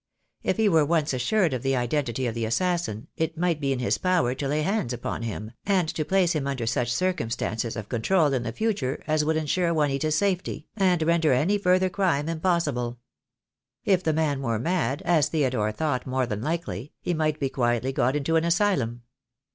If he were once assured of the identity of the assassin, it might be in his power to lay hands upon him, and to place him under such circumstances of control in the future as would en sure Juanita's safety, and render any further crime im possible. If the man were mad, as Theodore thought more than likely, he might be quietly got into an asylum.